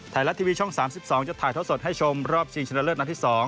ไทยรัฐทีวีช่อง๓๒จะถ่ายท่อสดให้ชมรอบชิงชนะเลิศนัดที่๒